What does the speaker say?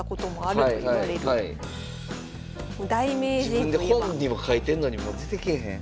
自分で本にも書いてんのにもう出てけえへん。